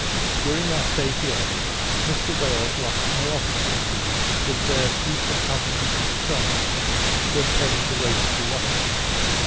During our stay here, Mr Wales lost no opportunity to observe equal altitudes of the sun, for obtaining the rates of the watches.